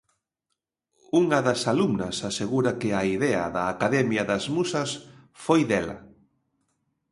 Unha das alumnas asegura que a idea da academia das musas foi dela.